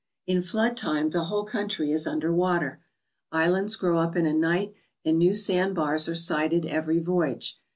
In flood time the whole country is under water. Islands grow up in a night and new sand bars are sighted every voyage.